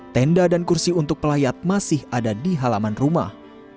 tenda dan kursi untuk pelayat masih ada di halaman rumah